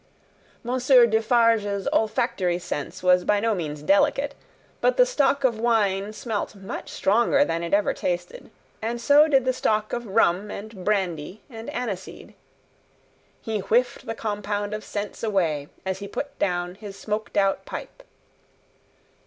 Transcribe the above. Monsieur Defarge's olfactory sense was by no means delicate, but the stock of wine smelt much stronger than it ever tasted, and so did the stock of rum and brandy and aniseed. He whiffed the compound of scents away, as he put down his smoked out pipe.